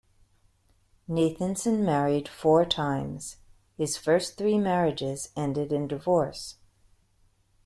Nathanson married four times; his first three marriages ended in divorce.